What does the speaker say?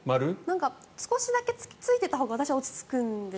少しくらいついていたほうが私は落ち着くんです。